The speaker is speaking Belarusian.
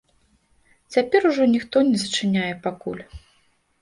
Цяпер ужо ніхто не зачыняе пакуль.